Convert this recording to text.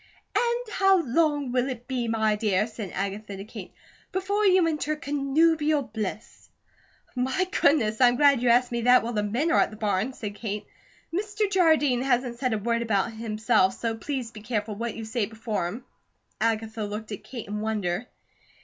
"And how long will it be, my dear," said Agatha to Kate, "before you enter connubial bliss?" "My goodness! I'm glad you asked me that while the men are at the barn," said Kate. "Mr. Jardine hasn't said a word about it himself, so please be careful what you say before him." Agatha looked at Kate in wonder.